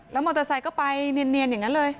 มอเตอร์ไซค์ก็ไปเนียนอย่างนั้นเลย